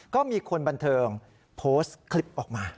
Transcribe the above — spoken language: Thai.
ก็มีคนบันเทิงโพสต์คลิปออกมา